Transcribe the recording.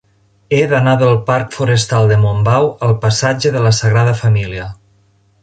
He d'anar del parc Forestal de Montbau al passatge de la Sagrada Família.